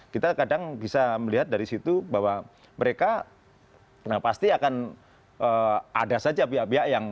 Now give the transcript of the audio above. kita kadang bisa melihat dari situ bahwa mereka pasti akan ada saja pihak pihak yang